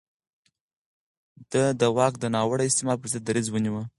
ده د واک د ناوړه استعمال پر ضد دريځ ونيو.